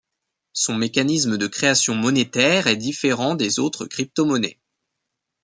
Son mécanisme de création monétaire est différent des autres cryptomonnaies.